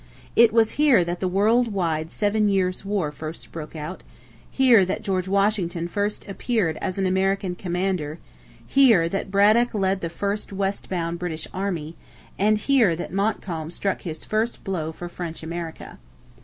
It was here that the world wide Seven Years' War first broke out; here that George Washington first appeared as an American commander; here that Braddock led the first westbound British army; and here that Montcalm struck his first blow for French America.